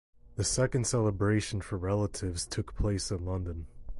The second celebration for relatives took place in London.